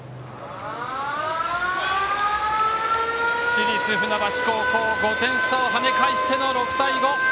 市立船橋高校５点差を跳ね返しての６対５。